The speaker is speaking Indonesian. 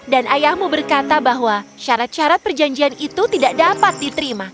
dan ayahmu berkata bahwa syarat syarat perjanjian itu tidak dapat diterima